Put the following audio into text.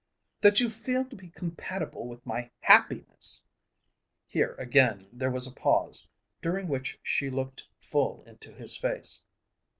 "That you feel to be compatible with my happiness!" Here, again, there was a pause, during which she looked full into his face.